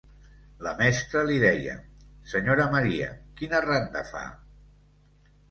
La mestra li deia: senyora Maria, quina randa fa?